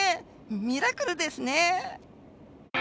ミラクルですね。